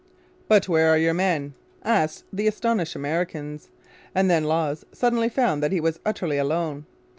'But where are your men?' asked the astonished Americans; and then Lawes suddenly found that he was utterly alone!